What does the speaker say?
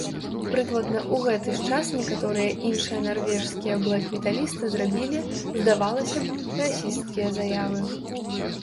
Прыкладна ў гэты ж час некаторыя іншыя нарвежскія блэк-металісты зрабілі, здавалася б, расісцкія заявы.